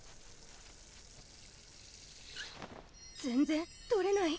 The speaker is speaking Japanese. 全然取れない。